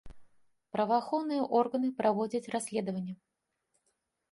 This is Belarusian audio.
Праваахоўныя органы праводзяць расследаванне.